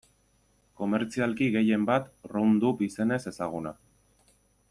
Komertzialki gehien bat Roundup izenez ezaguna.